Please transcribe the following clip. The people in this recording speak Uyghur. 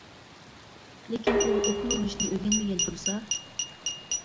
لېكىن ئۇ ئوكۇل ئۇرۇشنى ئۆگەنمىگەن تۇرسا.